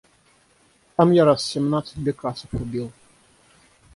Там я раз семнадцать бекасов убил.